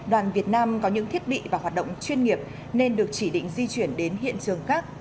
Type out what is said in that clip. đoàn việt nam có những thiết bị và hoạt động chuyên nghiệp nên được chỉ định di chuyển đến hiện trường khác